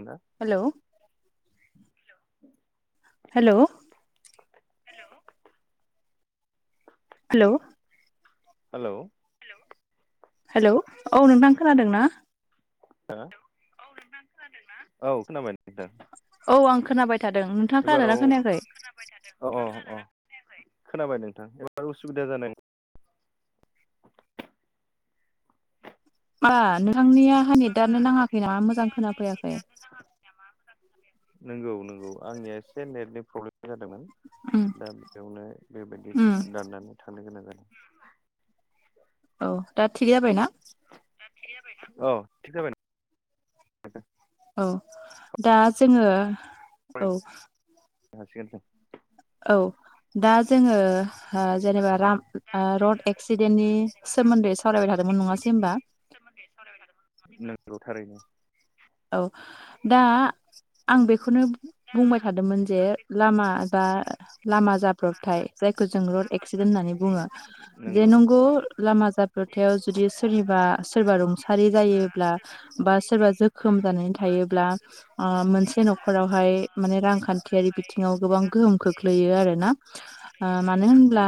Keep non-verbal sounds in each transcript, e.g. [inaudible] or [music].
ना hello. [inaudible] Hello. [inaudible] Hello. Hello. Hello औ नोंथां खोनादों ना? हो औ खोनाबाय नोंथां औ आं खोनाबाय। थादों नोंथाङा एबाराव खोनादोंना अ खोनायाखै? अ अ खोनाबाय नोंथां उसुबिदा जादों। [inaudible] मा नोंथांनिफ्राय नेटनि [inaudible] आनो नाङाखै नामा मोजां खोनाफैयाखै। नंगौ नंगौ आंनिया एसे नेटनि प्रब्लेम। जादोंमोन उम दा बेयावनो बेबायदि उम दाननानै थांनो गोनां जादों। [inaudible] [inaudible] औ दा थिग जाबायना? औ थिग जाबाय। [inaudible] औ दा जोङो औ। फरायनो हासिगोन दे। औ दा जोङो जेनेबा राम ओ रड एक्सिडेन्टनि सोमोन्दै सावरायबाय थादोंमोन नङासै होमबा नोंगौ थारैनो। औ दा आं बेखौनो बुंबाय थादोंमोन जे लामा बा लामा जाब्रबथाय जायखौ जों रड एक्सिडेन्ट होननानै बुङो जे नंगौ लामा जाब्रबथायाव जुदि सोरनिबा सोरबा रुंसारि जायोब्ला बा सोरबा जो खोम जानानै थायोब्ला ओ मोनसे न'खरावहाय माने रांखान्थियारि बिथिङाव गोबां गोहोम खोख्लैयो आरोना ओ मानो होनब्ला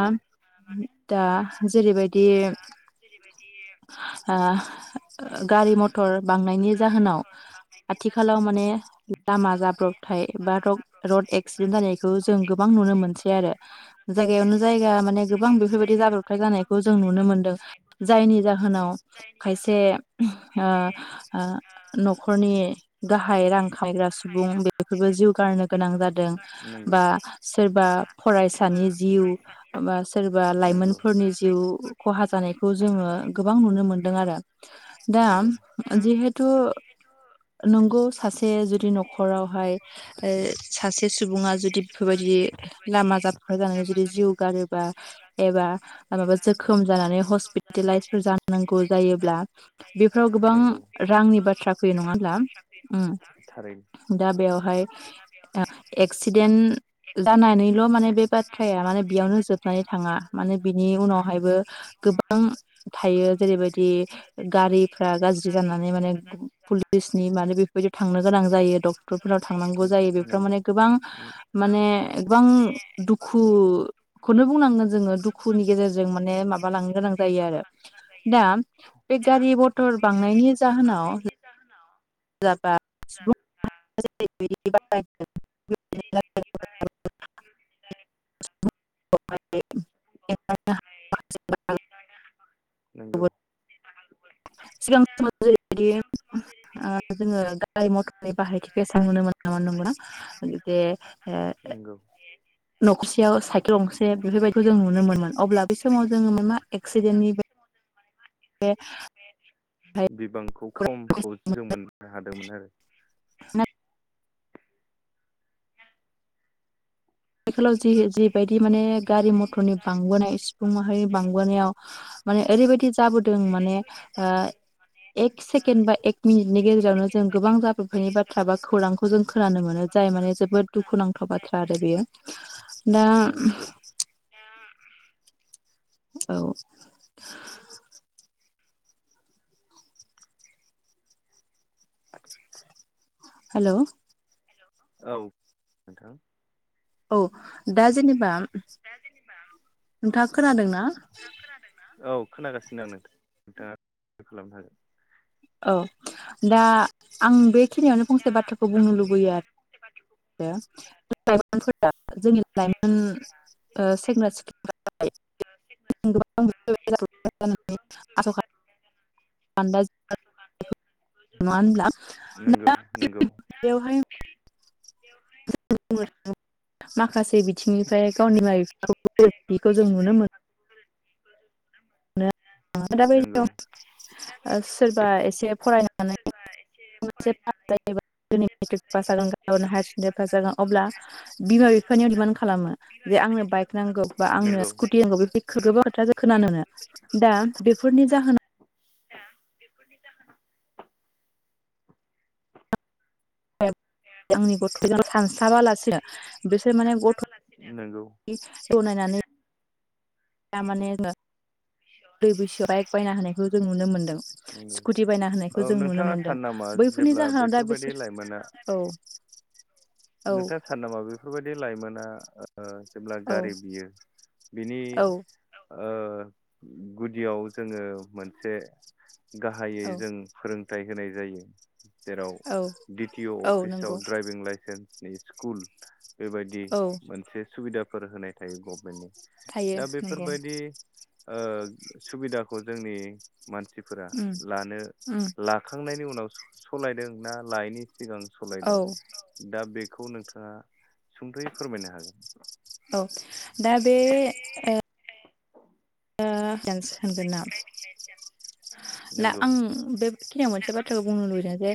दा जेरैबायदि ओ गारि मथर बांनायनि जाहोनाव आथिखालाव माने लामा जाब्रब थाय बा रड रड एक्सिडेन्ट जानायखौ जों गोबां नुनो मोनसै आरो। जायगायावनो जायगा माने गोबां बेफोरबायदि जाब्रबथाय जानायखौ जों नुनो मोनदों। जायनि जाहोनाव खायसे ओ ओ न'खरनि गाहाय रां खामायग्रा सुबुं बे बेफोरबो जिउ गारनो गोनां जादों नंगौ बा सोरबा फरायसानि जिउ बा सोरबा लाइमोनफोरनि जिउ खहा जानायखौ जोङो गोबां नुनो मोनदों आरो दा नंगौ नंगौ जिहेथु नोंगौ सासे जुदि न'खराव हाय सासे सुबुङा जुदि बेफोरबायदि लामा जाब्रबथाय जानानै जुदि जिउ गारोबा एबा माबा जोखोम जानानै हस्पिटलाइसफोर जांगौ जायोब्ला बेफोराव गोबां नंगौ रांनि बाथ्रा नङा होमब्ला उम। हाय एक्सिडेन्ट जानानैल' माने बे बाथ्राया माने बेयावनो जोबनानै थाङा माने बिनि उनावहायबो गोबां थायो जेरैबायदि गारिफ्रा गाज्रि जानानै माने पुलिसनि माने बेफोरबायदि थांनो गोनां जायो डक्टर फोराव थांनांगौ थारैनो जायो बेफोराव माने नंगौ गोबां माने गोबां दुखुखौनो बुंनांगोन जोङो दुखुनि गेजेरजों माने माबा लांनो गोनां जायो आरो दा बे गारि मथर बांनायनि जाहोनाव [unintelligible] [unintelligible] [unintelligible] [inaudible] सिगां समाव जेरैबायदि ओ जोङो गारि मथर बाहायथिगसिनो [unintelligible] [unintelligible] [unintelligible] नखरसेयाव साइ केल गंसे बेफोरबायदिखौ जों नुनो मोनोन अब्ला बे समाव जोङो मोन मा एक्सिडेन्टनिबो [inaudible] बिबांखौ खमखौ जों मोननो हादोंमोन आरो। ना आथिखालाव जि जिबायदि माने गारि मथरनि बांबोनाय सुबुंफ माहारिनि बांबोनायाव माने ओरैबायदि जाबोदों माने ओ एक सेकेनड बा एक मिनिटनि गेजेरावनो जों गोबां जाबोबायनि बाथ्रा बा खौरांखौ जों खोनानो मोनो जाय माने जोबोद दुखुनांथाव बाथ्रा आरो बेयो। दा नंगौ औ। हेलौ। औ नोंथां। औ दा जेनेबा दा जेनेबा खोनादों ना? औ खोनागासिनो आं नोंथां [unintelligible] नोंथाङा खालामनो हागोन। औ दा आं बे खिनियावनो फंसे बाथ्राखौ बुंनो लुबैयो आरो [inaudible] जोंनि लाइमोन ओ सेंग्रा सिख्ला [unintelligible] आस' [unintelligible] खान्दा [unintelligible] नङा होनब्ला नंगौ नंगौ बेवहाय [unintelligible] [unintelligible] माखासे बिथिंनिफ्राय गावनि बिमा माखासे बिफाखौ बिथिनिफ्राय गोरोबथिखौ गावनि जों बिमा नुनो मोनो बिफा [unintelligible] दा [unintelligible] बैयाव नंगौ ओ सोरबा एसे फरायनानै [unintelligible] जायोबा मेट्रिक पास जागोन गाबोन हायार सेकेण्डारि पास जागोन अब्ला बिमा बिफानियाव दिमान्ड खालामो। जे आंनो बाइक नांगौ बा आंनो नंगौ स्कुटि नांगौ बे [unintelligible] गोबां खोथा जों खोनानो मोनो। दा बेफोरनि जाहोनाव दा बेफोरनि जाहोनाव [unintelligible] आंनि गथ'जों [unintelligible] सानस्लाबालासिनो बिसोर माने गथ' नंगौ [unintelligible] नायनानै दामाने [unintelligible] दै बैसोआव बाइक बायना होनायखौ जों नुनो मोनदों नंगौ स्कुटि बायना होनायखौ औ जों नुनो नोंथाङा मोनदों। सानो नामा बैफोरनि जेब्ला जाहोनाव दा बेफोरबायदि बिसोर लाइमोना औ औ नोंथाङा सानो नामा बेफोर फोर बायदि लाइमोना ओ जेब्ला गारि बियो बिनि औ ओ गुदियाव जोङो मोनसे गाहायै औ जों फोरों थाइ होनाय जायो जेराव औ डि टि अ औ नंगौ अफिसाव ड्राइभिं लाइसेन्स स्कुल बेबायदि औ मोनसे सुबिदा फोर होनाय थायो गभमेन्टनि। थायो दा नंगौ बेफोरबायदि ओ सुबिदा खौ जोंनि मानसिफोरा उम लानो उम लाखांनायनि उनाव सलायदों ना लायनि सिगां सलायदों औ दा बे बेखौ नोंथाङा सुंद'यै फोरमायनो हागोन औ दा बे [unintelligible] दा नंगौ आं बेखिनियाव मोनसे बाथ्राखौ बुंनो लुबैदों जे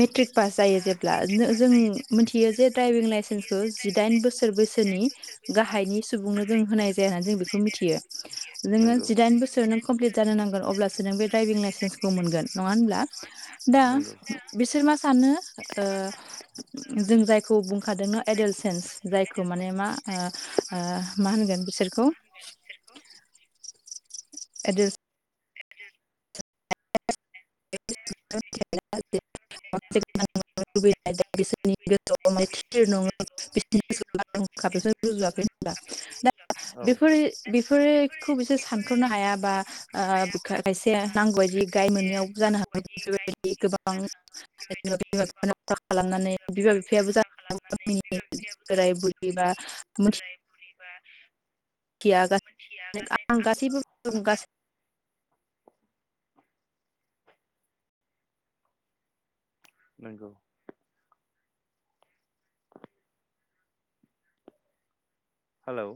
मेट्रिक पास जायो जेब्ला जों-जों मिथियो जे द्राइभिं लाइसेन्सखौ जिदाइन बोसोर बैसोनि गाहाइनि सुबुंनो जों होनाय जाया होननानै जों बेखौ मिथियो। जोङो नंगौ जिदाइन बोसोर नों कमप्लिट जानो नांगोन अब्लासो नों बे द्राइभिं लाइसेन्सखौ मोनगोन। नङा होनब्ला? दा नंगौ बिसोर मा सानो ओ जों जायखौ बुंखादोंनो एडलेसेन्स जायखौ माने मा ओ ओ मा होनगोन बिसोरखौ एडेल [unintelligible] [unintelligible] औ [unintelligible] [unintelligible] [unintelligible] [unintelligible] नंगौ हेलौ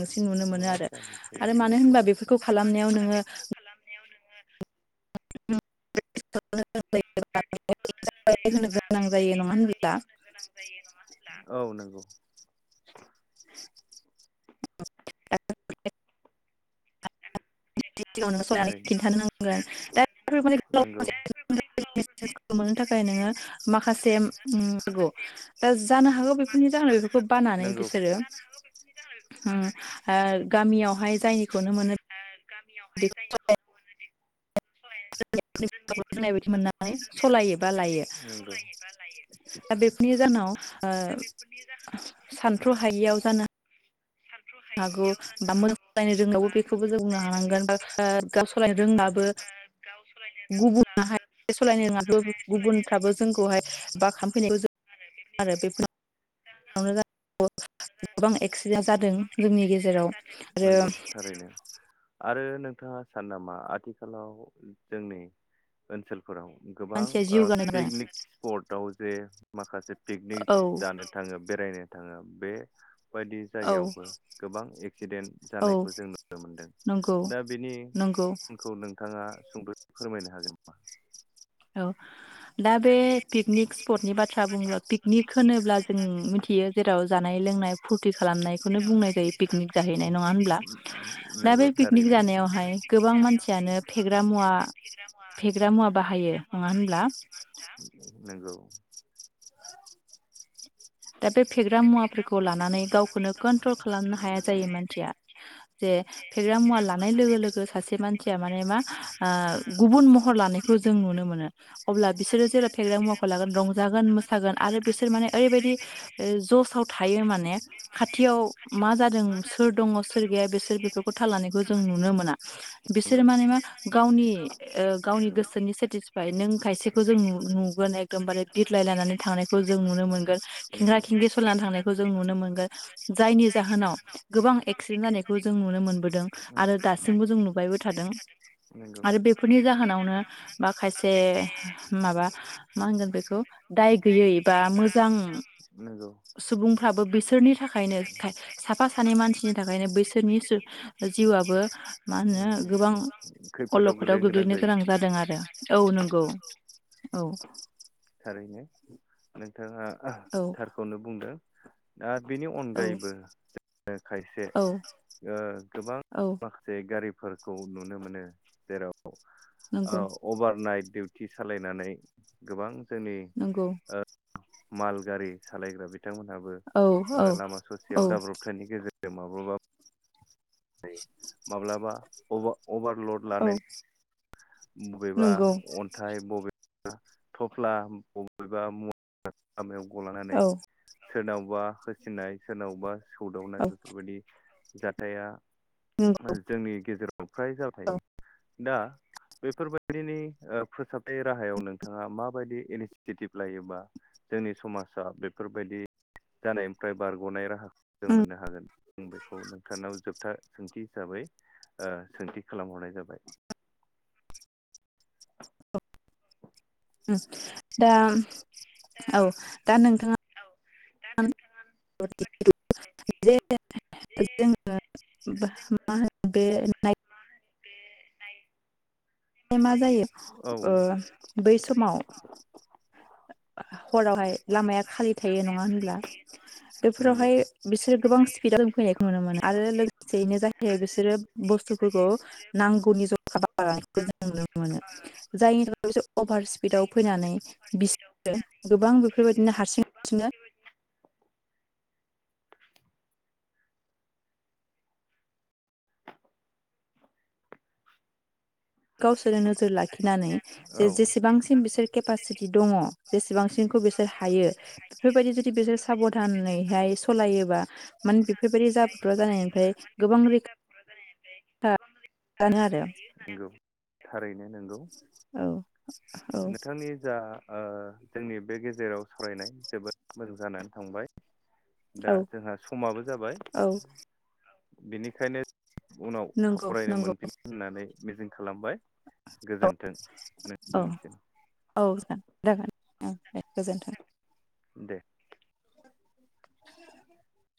बांसिन नुनो मोनो मा आरो जालायखो आरो मानो होनबा बेफोरखौ खालामनायाव नोङो नोङो [unintelligible] गोनां जायो नङा होनब्ला [inaudible] [inaudible] [unintelligible] थारैनो नंगौ नंगौ मोननो थाखाय नोङो माखासे [inaudible] जानो हागौ बेफोरनि जाहोनाव बेफोरखौ बांनानै बिसोरो उम ओ गामियावहाय जायनिखौनो मोनो गामियावहाय जायनिखौनो मोनोदे। [unintelligible] बायदि मोननानै सालायो बा लायो नंगौ दा बेफोरनि जाहोनाव सानथ्र हायियाव जानो। सारथ हागौ हायियाव बा जानो मोजां हागौ सालायनो रोङाबो बा मो बेखौबो बुंनो हानांगोन ब सालायनो रोङाबो गुबुनहाय सालायनो रोङाबो गुबुनफ्राबो जोंखौहाय बाखामफैनायखौ जों आरो बे गोबां एक्सिडेन्ट जादों। जोंनि गेजेराव आरो। नंगौ थारैनो आरो नोंथांङा सान नामा आथिखालाव जोंनि ओनसोल फोराव गोबां मानसिया जिउ गानो गोनां पिकनिक स्पटआव। जे माखासे पिकनिक औ जानो थाङो बेरायनो। थाङो बे। बायदि औ जायगायावबो, गोबां एक्सिडेन्ट औ जानायखौ जों नुनो नंगौ दा नंगौ बेनिखौ नोंथां। ओ सुंद फोरमायनो हागोन नामा? औ। दा बे पिकनिक स्पटनि बाथ्रा बुंङोब्ला पिकनिक होनोब्ला जों मिथियो जेराव जानाय लोंनाय। फुरथि खालामनायखौनो बुंनाय जायो पिकनिक जाहैनाय नङा होनब्ला? दा नंगौ बे पिकनिक थारैनो जानायावहाय गोबां मानसियानो फेग्रा मुवा फेग्रा मुवा बाहायो। बाहायो होनब्ला मा होनब्ला? नंगौ। दा बे फेग्रा मुवाफोरखौ लानानै गावखौनो कन्ट्रल खालामनो हाया जायो मानसिया जे फेग्रा मुवा लानाय लोगो लोगो सासे मानसिया। माने मा गुबुन महर लानायखौ जों नुनो मोनो अब्ला बिसोरो जेब्ला फेग्रा मुवाखौ लागोन रंजागोन मोसागोन आरो बिसोर माने ओरैबायदि। जसाव थायो माने, खाथियाव मा जादों सोर दङ सोर गैया बिसोर बेफोरखौ थाल लानायखौ जों नुनो मोना। बिसोर नंगौ माने मा गावनि गावनि नंगौ गोसोनि सेटिसफाइ नों खायसेखौ जों नुगोन एकदमबारे बिर्लाय लायनानै थांनायखौ जों नुनो मोनगोन। खेंग्रा खेंग्रि सलिायनानै थांनायखौ जों नुनो मोनगोन। जायनि जाहोनाव गोबां एक्सिडेन्ट जानायखौ जों नुनो मोनबोदों, आरो दासिमबो जों नुबायबो थादों नंगौ आरो बेफोरनि जाहोनावनो माखायसे माबा मा होनगोन बेखौ दाय गैयै बा मोजां। नंगौ सुबुंफ्राबो बिसोरनि थाखायनो, साफा सानै मानसिनि थाखायनो बैसोरनि जिउआआबो, मा होनो? गोबां खैफोदाव अलखदाव गोलैनो गोग्लैनो जायो गोनां जादों आरो औ नंगौ औ। थारैनो नोंथाङा। औ थारखौनो बुंदों। दा बेनि अनगायैबो जोङो ओ खायसे औ गोबां औ माखासे गारि। फोरखौ नुनो मोनो जेराव। औ नंगौ अभार नाइटउ। थि सालायनानै गोबां। जोंनि‌ नंगौ ओ। माल गारि। सालायग्रा बि बिथांमोनहाबो औ औ ओ लामा औ ससेयाव जाब्रबथायनि गेजेर [unintelligible] माबाबा। माब्लाबा अबा अभारल'ड औ लानाय बबेबा नंगौ अन्थाइ बबे थफ्ला बबेबा मु [unintelligible] लामायाव गलानानै औ सोरनावबा होसिननाय सोरनावबा सौदावनाय औ बेफोरबायदि। जाथाइया नंगौ जोंनि गेजेराव ओमफ्राय जाबाय औ थायो दा बेफोरबायदिनि ओ फोसाबथाय राहायाव नोंथाङा माबायदि इनिसिटेटिभ लायोबा जोंनि समाजा बेफोरबायदि जानायनिफ्राय बारग'नाय राहाखौ जों उम मोननो हागोन आं बेखौ नोंथांनाव जोबथा सोंथि हिसाबै ओ सोंथि खालामहरनाय जाबाय? ओ दा औ दा नोंथाङा दा नों जे जों बे मा जायो औ ओ बै समाव हरावहाय लामाया खालि थायो नङा होनब्ला? नंगौ बेफोरावहाय बिसोरो गोबां स्पिडआव जों फैनायखौ नुनो मोनो आरो लोगोसेयैनो जाय जाय बिसोरो बुस्थुफोरखौ नांगौनि जखा बारा लानायखौ जों नुनो मोनो जायनि थाखाय बिसोर अभार स्पिडाव फैनानै बिसोरो गोबां बेफोरबायदिनो हारसिं हारसिंनो गावसोरो नोजोर लाखिनानै जे औ जेसेबांसिम बिसोर केपासिटि दङ जेसेबांसिमखौ बिसोर हायो बेफोरबायदि जुदि बिसोर साबधानैैहाय सलायोबा माने बेफोरबायदि जाब्रबथाय जानायनिफ्राय गोबां रैखा [unintelligible] आरो नंगौ थारैनो नोंगौ। औ औ नोथांनि जा ओ जोंनि बे गेजेराव सावरायनाय जोबोद मोजां जानानै थांबाय दा औ जोंहा समाबो जाबाय औ बेनिखायनो उनाव नंगौ सावरायनो नंगौ मोनफिनगोन होननानै मिजिं खा खालामबाय गोजोन्थों औ नोंथांनिसिम। ओ दे गोजोनथों। दे [unintelligible]